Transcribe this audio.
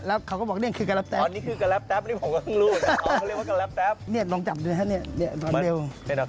แล้วเขาก็บอกนี่คือการเล็ปแต๊ปป์แล้วทีนี้ผมก็ไม่รู้